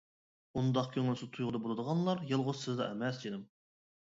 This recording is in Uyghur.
ئۇنداق كۆڭۈلسىز تۇيغۇدا بولىدىغانلار يالغۇز سىزلا ئەمەس جېنىم!